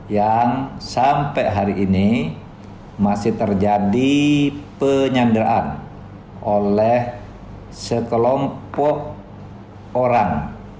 yang sampai hari ini masih terjadi penyanderaan oleh sekelompok orang